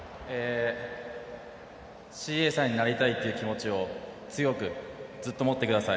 ＣＡさんになりたいという気持ちを強くずっと持ってください。